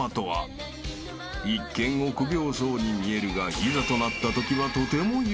［一見臆病そうに見えるがいざとなったときはとても］ヤ！